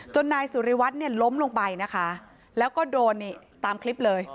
นายสุริวัตรเนี่ยล้มลงไปนะคะแล้วก็โดนนี่ตามคลิปเลย